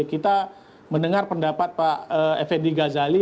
kita mendengar pendapat pak effendi ghazali